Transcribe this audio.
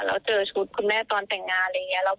แล้วเจอชุดคุณแม่ตอนแต่งงานอะไรอย่างนี้